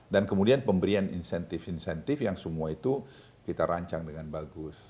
dan kemudian pemberian insentif insentif yang semua itu kita rancang dengan bagus